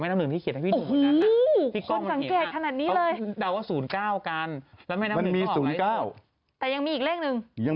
แต่ยังมีอีกเลขหนึ่ง